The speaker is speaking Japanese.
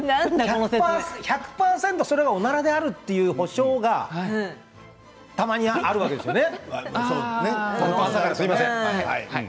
１００％おならであるという保障がたまにあるわけですよね。